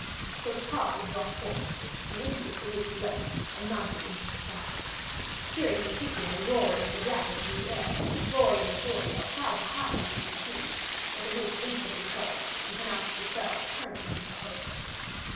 So the car was brought forth, and into it the witch leaped, and mounted into the sky. Hearing the hissing and roaring of the dragons in the air, Florian and Florizel tried to hide under some trees; but the witch instantly saw them, and pronounced a spell to turn them into hares.